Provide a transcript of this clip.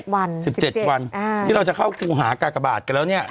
๑๗วันที่เราจะเข้าครูหากากบาทกันแล้วเนี่ย